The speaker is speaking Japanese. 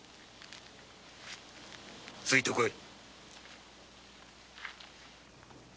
ついて来い。